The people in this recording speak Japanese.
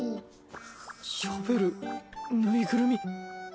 しゃべるぬいぐるみ。